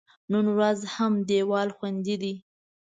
نن ورځ هم دیوال خوندي دی.